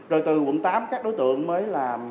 rồi từ quận tám các đối tượng mới là